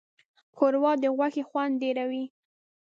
ښوروا د غوښې خوند ډېروي.